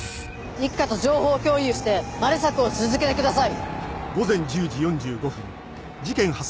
一課と情報共有してマル索を続けてください。